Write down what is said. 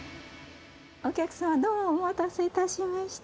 お客様どうもお待たせしました。